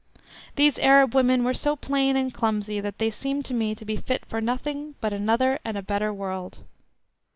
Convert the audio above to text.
These Arab women were so plain and clumsy, that they seemed to me to be fit for nothing but another and a better world.